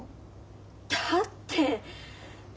だって。